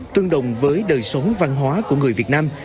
tương đồng với đời sống văn hóa của người việt nam